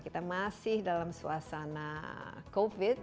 kita masih dalam suasana covid